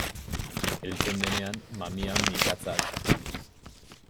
Heltzen denean, mamia mikatza da.